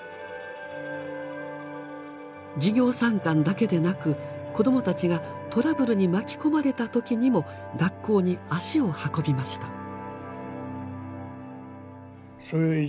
授業参観だけでなく子どもたちがトラブルに巻き込まれた時にも学校に足を運びました。